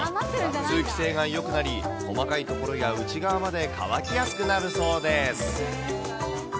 通気性がよくなり、細かいところや内側まで乾きやすくなるそうです。